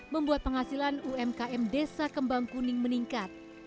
membuat penghasilan umkm desa kembang kuning meningkat